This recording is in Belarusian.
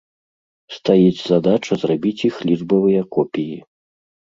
Стаіць задача зрабіць іх лічбавыя копіі.